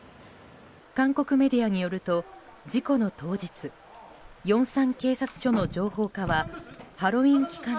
韓国メディアによると事故の当日ヨンサン警察署の情報課はハロウィーン期間